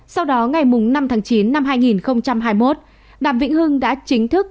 sau đó ngày năm tháng chín năm hai nghìn hai mươi một đàm vĩnh hưng đã chính thức